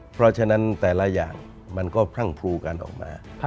เพราะฉะนั้นแต่ละอย่างมันก็พรั่งพลูกันออกมา